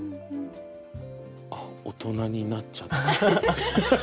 あっ大人になっちゃった。